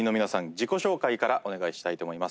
自己紹介からお願いしたいと思います。